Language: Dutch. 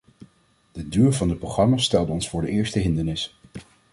De duur van de programma’s stelde ons voor de eerste hindernis.